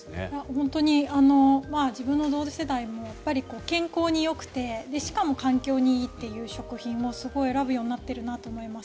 本当に自分と同じ世代も健康によくてしかも環境にいいという食品をすごい選ぶようになっているなと思います。